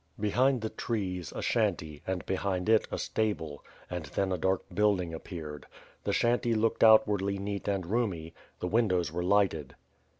Behind the trees, a shanty, and behind it a stable, and then a dark building appeared. The shanty looked outwardly neat and roomy. The windows were lighted.